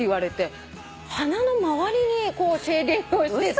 鼻の周りにシェーディングをしてて。